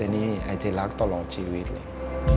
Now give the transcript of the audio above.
ก็จะรักเต้านี้ตลอดชีวิตเลย